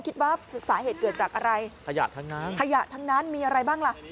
คิดว่าสาเหตุเกิดจากอะไรขยะทางน้ำมีอะไรบ้างล่ะ